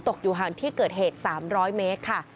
อยู่ห่างที่เกิดเหตุ๓๐๐เมตรค่ะ